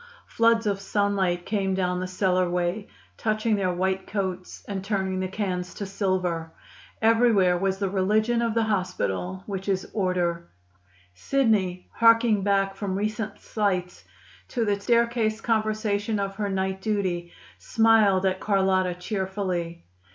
Floods of sunlight came down the cellar way, touching their white coats and turning the cans to silver. Everywhere was the religion of the hospital, which is order. Sidney, harking back from recent slights to the staircase conversation of her night duty, smiled at Carlotta cheerfully.